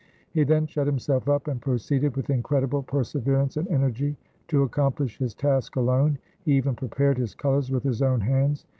He then shut himself up, and proceeded with incredible perseverance and energy to accomplish his task alone; he even prepared his colors with his own hands.